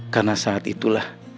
karena saat itulah